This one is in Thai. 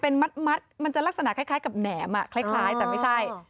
เป็นมัดมันจะลักษณะคล้ายกับแหนมคล้ายแต่ไม่ใช่